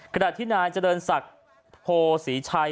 ขณะที่นายเจริญศักดิ์โพศรีชัย